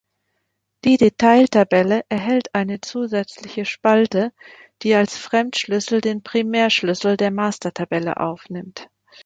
Die Detail-Tabelle erhält eine zusätzliche Spalte, die als Fremdschlüssel den Primärschlüssel der Master-Tabelle aufnimmt.